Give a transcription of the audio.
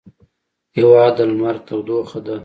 هېواد د لمر تودوخه ده.